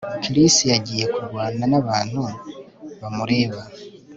Chris yagiye kurwana nabantu bamureba